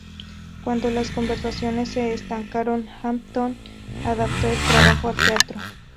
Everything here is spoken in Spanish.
Cuando las conversaciones se estancaron, Hampton adaptó el trabajo al teatro.